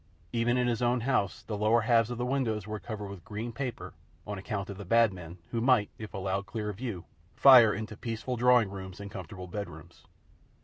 Even in his own house the lower halves of the windows were covered with green paper on account of the Bad Men who might, if allowed clear view, fire into peaceful drawing rooms and comfortable bedrooms.